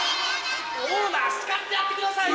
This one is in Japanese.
オーナーしかってやってくださいよ。